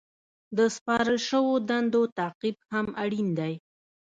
د سپارل شوو دندو تعقیب هم اړین دی.